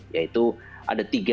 yaitu ada tiga